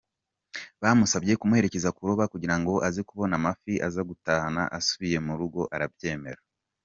Bamusabye kubaherekeza kuroba kugira ngo aze kubona amafi aza gutahana asubiye mu rugo, arabyemera.